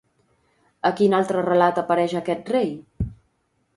A quin altre relat apareix aquest rei?